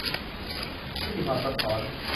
ที่มีความซับซ้อน